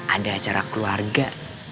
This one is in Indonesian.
ada acara keluarga